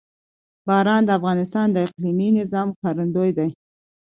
باران د افغانستان د اقلیمي نظام ښکارندوی ده.